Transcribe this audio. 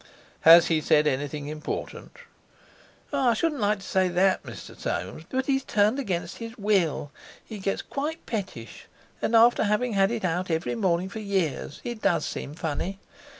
"Has he said anything important?" "I shouldn't like to say that, Mr. Soames; but he's turned against his Will. He gets quite pettish—and after having had it out every morning for years, it does seem funny.